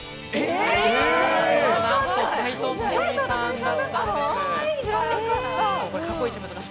なんと斎藤工さんだったんです。